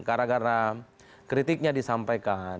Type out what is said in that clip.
karakara kritiknya disampaikan